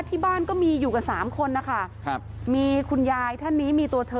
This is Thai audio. ที่บ้านก็มีอยู่กับสามคนนะคะครับมีคุณยายท่านนี้มีตัวเธอ